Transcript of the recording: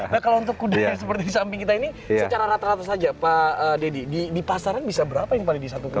nah kalau untuk kuda yang seperti di samping kita ini secara rata rata saja pak deddy di pasaran bisa berapa ini paling disatukan